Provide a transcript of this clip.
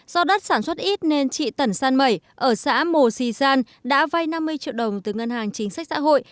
do đất sản xuất ít nên trị tẩn san mẩy ở xã mồ sì gian đã vay năm mươi triệu đồng từ ngân hàng chính sách xã hội